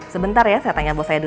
sebentar ya saya tanya buat saya dulu